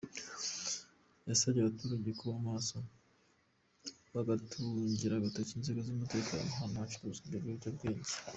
Yasabye abaturage kuba maso bagatungira agatoki inzego z’umutekano ahantu hacururizwa ibyo biyobyabwenge.